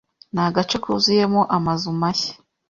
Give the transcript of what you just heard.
Ni agace kuzuyemo amazu mashya.